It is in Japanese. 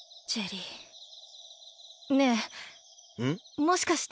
もしかして。